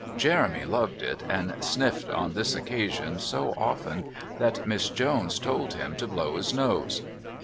Jeremy loved it, and sniffed on this occasion so often that Miss Jones told him to blow his nose.